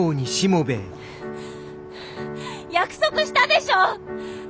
約束したでしょ！